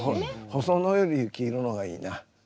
細野より幸宏の方がいいな。